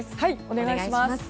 お願いします。